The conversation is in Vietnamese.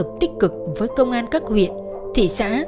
đã phối hợp tích cực với công an các huyện thị xã